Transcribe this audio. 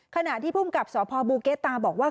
ขณะที่ภูมิกับสพบูเกตาบอกว่า